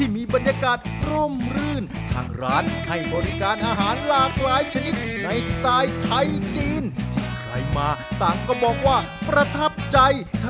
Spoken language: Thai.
มาขอบพลาดไม่ได้ที่จะมาโดนกันครับเชิญ